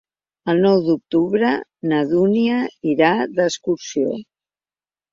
El nou d'octubre na Dúnia irà d'excursió.